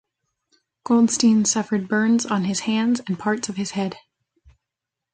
Goldstein suffered burns on his hands and parts of his head.